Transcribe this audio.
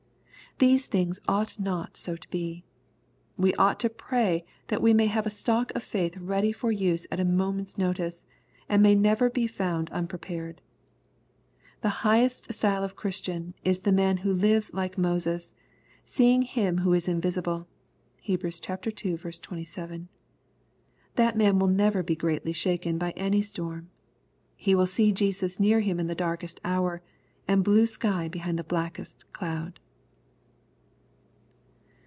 These things ought not so to be. We ought to pray that we may have a stock of faith ready for use at a moment's notice, and may never be found unprepared. The highest style of Christian is the man who lives like Moses, "seeing Him who is invisible." (Heb. ii. 27.) Nj That man will neverTbe greatly shaken by any storm. He will see Jesus near him in the darkest hour, and blue sky behind the blackest cloud.